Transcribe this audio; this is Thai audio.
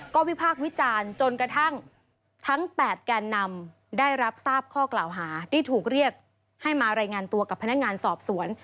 ก็วิพากษ์วิจารณ์จนกระทั่งทั้ง๘แกนนำได้รับทราบข้อกล่าวหาที่ถูกเรียกให้มารายงานตัวกับพนักงานสอบสวน